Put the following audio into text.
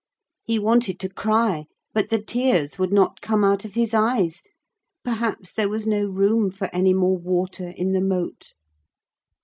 He wanted to cry, but the tears would not come out of his eyes. Perhaps there was no room for any more water in the moat.